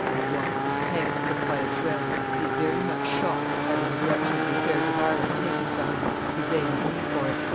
e., Louvois_) hangs but by a thread; he is very much shocked at having the direction of the affairs of Ireland taken from him; he blames me for it.